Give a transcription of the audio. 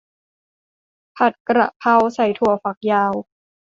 ผัดกะเพราใส่ถั่วฝักยาว